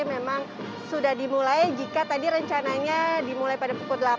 memang sudah dimulai jika tadi rencananya dimulai pada pukul delapan